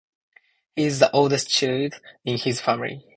He is the oldest child in his family.